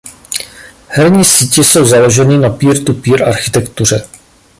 Herní sítě jsou založeny na peer to peer architektuře.